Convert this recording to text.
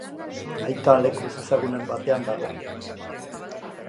Aita leku ezezagunen batean dago.